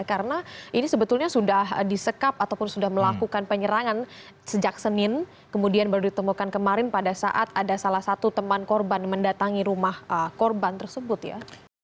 karena ini sebetulnya sudah disekap ataupun sudah melakukan penyerangan sejak senin kemudian baru ditemukan kemarin pada saat ada salah satu teman korban mendatangi rumah korban tersebut ya